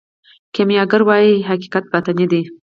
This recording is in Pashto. کیمیاګر وايي حقیقت باطني دی.